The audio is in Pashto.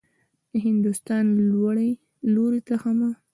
د هندوستان لوري ته حمه.